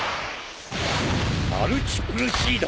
マルチプルシード。